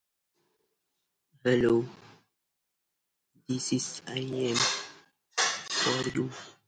He served as Literary Adviser to the college literary journal, "Acta Victoriana".